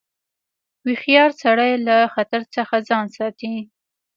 هوښیار سړی له خطر څخه ځان ساتي.